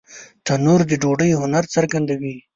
تنور د ډوډۍ هنر څرګندوي